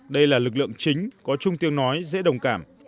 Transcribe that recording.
đây là lực lượng chính có chung tiếng nói dễ đồng cảm